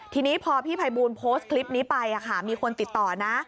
ทีนี้พอพี่ภัยบูลโพสต์คลิปนี้ไปมีคนติดต่อนะ